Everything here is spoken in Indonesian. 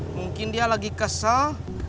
mungkin dia lagi kesel